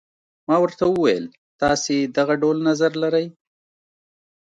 ما ورته وویل تاسي دغه ډول نظر لرئ.